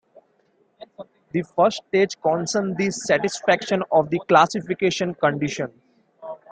The first stage concerns the satisfaction of the "classification condition".